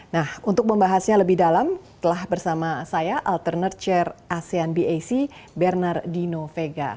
nah untuk membahasnya lebih dalam telah bersama saya alternate chair asean bac bernardino vega